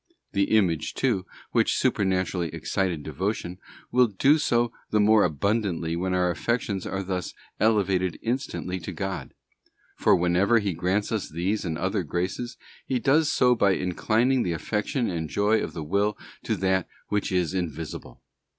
The image, too, which supernaturally excited devotion, will do so the more abundantly when our affections are thus elevated instantly to God. For whenever He grants us these and other graces, He does so by inclining the affection and joy of the will to that which is invisible.